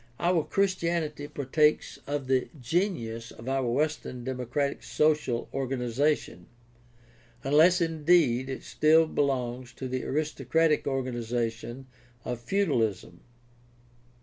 — Our Christianity partakes of the genius of our Western democratic social organization, unless indeed it still belongs to the aristocratic organization of feudalism.